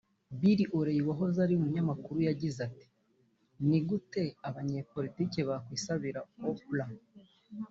Bill O’Reilly wahoze ari umunyamakuru yagize ati “Ni gute abanyapolitiki bakwibasira Oprah